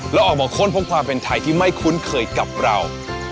แล้วออกมาค้นพบความเป็นไทยที่ไม่คุ้นเคยกับเรา